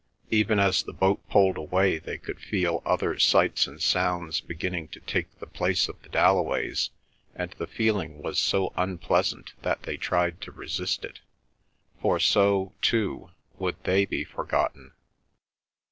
Even as the boat pulled away they could feel other sights and sounds beginning to take the place of the Dalloways, and the feeling was so unpleasant that they tried to resist it. For so, too, would they be forgotten.